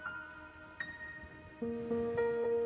minggu depan kang